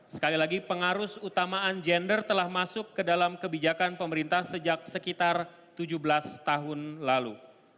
sekali lagi pengarus utamaan gender telah masuk ke dalam kebijakan pemerintah sejak sekitar tujuh belas tahun lalu